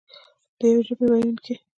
د یوې ژبې ویونکي.